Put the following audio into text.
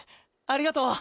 ありがとう。